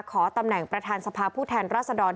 ขอตำแหน่งประธานสภาผู้แทนรัศดร